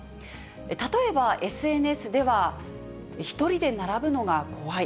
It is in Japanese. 例えばＳＮＳでは、１人で並ぶのが怖い。